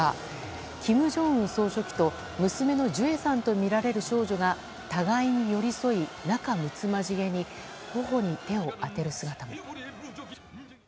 金正恩総書記と娘のジュエさんとみられる少女が互いに寄り添い、仲むつまじげに頬に手を当てる姿も。